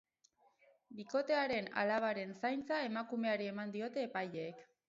Bikotearen alabaren zaintza emakumeari eman diote epaileek.